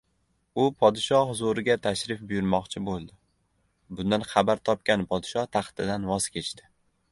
— U podsho huzuriga tashrif buyurmoqchi bo‘ldi. Bundan xabar topgan podsho taxtidan voz kechdi.